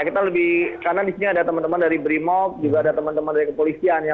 kita lebih karena di sini ada teman teman dari brimob juga ada teman teman dari kepolisian ya